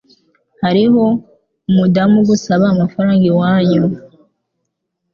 Hariho umudamu ugusaba amafaranga iwanyu